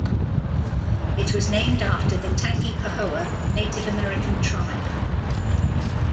It was named after the Tangipahoa Native American tribe.